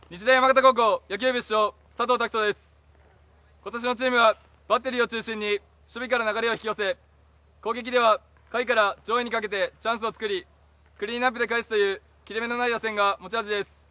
ことしのチームはバッテリーを中心に守備から流れを引き寄せ攻撃で破壊から上位にかけてチャンスを作りクリーンアップで返すという切れ目のない打線が持ち味です。